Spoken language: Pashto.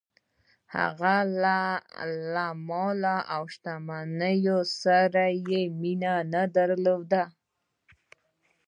هغه له مال او شتمنۍ سره یې مینه نه درلوده.